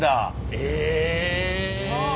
え。